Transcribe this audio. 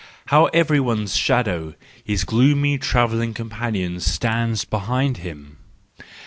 How everyone's shadow, his gloomy travelling companion stands behind him